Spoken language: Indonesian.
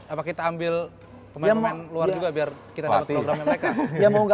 apa kita ambil pemain pemain luar juga biar kita dapat programnya mereka